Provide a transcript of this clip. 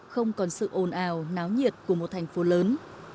không còn sự ồn ào náo nhiệt của một thành phố lớn